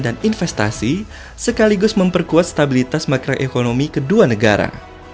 dan investasi sekaligus memperkuat stabilitas makroekonomi kedua negara